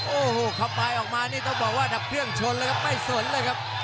โอ้โหเข้าไปออกมานี่ต้องบอกว่าดับเครื่องชนแล้วครับไม่สนเลยครับ